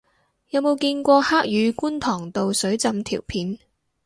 有冇見過黑雨觀塘道水浸條片